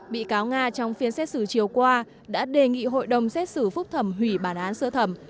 bị cáo nga trong phiên xét xử chiều qua đã đề nghị hội đồng xét xử phúc thẩm hủy bản án sơ thẩm